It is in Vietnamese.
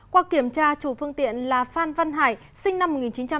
qua kiểm tra chủ phương tiện là phan văn hải sinh năm một nghìn chín trăm tám mươi